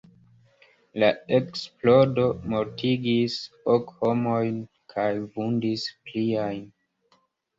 La eksplodo mortigis ok homojn kaj vundis pliajn.